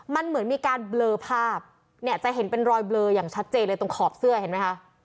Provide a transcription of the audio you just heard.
มันเหมือนมีการเบลอภาพเนี่ยจะเห็นเป็นรอยเบลออย่างชัดเจนเลยตรงขอบเสื้อเห็นไหมคะ